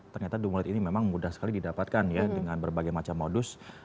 ternyata dungulit ini memang mudah sekali didapatkan ya dengan berbagai macam modus